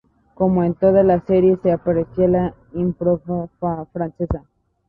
Como en toda la serie, se aprecia la impronta francesa.